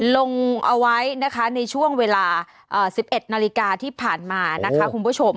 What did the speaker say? ลงเอาไว้นะคะในช่วงเวลา๑๑นาฬิกาที่ผ่านมานะคะคุณผู้ชม